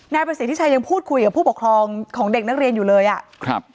นายประสิทธิชัยยังพูดคุยกับผู้ปกครองของเด็กนักเรียนอยู่เลยอ่ะครับ